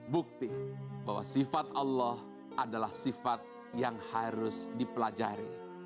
bukti bahwa sifat allah adalah sifat yang harus dipelajari